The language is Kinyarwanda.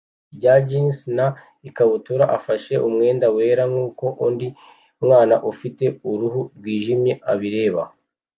rya jans na ikabutura afashe umwenda wera nkuko undi mwana ufite uruhu rwijimye abireba